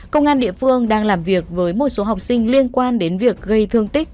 công an địa phương đang làm việc với một số học sinh liên quan đến việc gây thương tích